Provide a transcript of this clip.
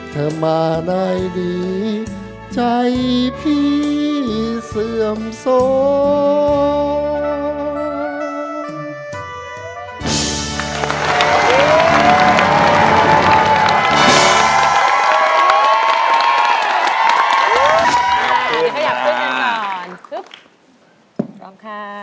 เธอมาได้ดีใจพี่เสื่อมโสม